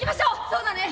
そうだね。